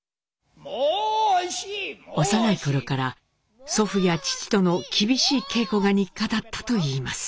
幼い頃から祖父や父との厳しい稽古が日課だったといいます。